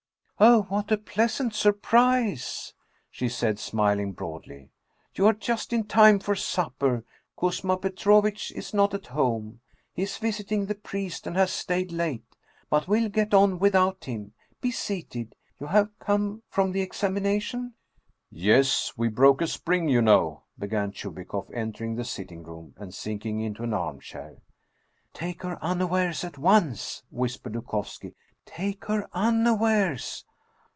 " Oh, what a pleasant surprise !" she said, smiling broadly. " You are just in time for supper. Kuzma Petro vitch is not at home. He is visiting the priest, and has stayed late. But we'll get on without him! Be seated. You have come from the examination ?" 174 Anton Chekhoff " Yes. We broke a spring, you know," began Chubikoff, entering the sitting room and sinking into an armchair. " Take her unawares at once !" whispered Dukovski ;" take her unawares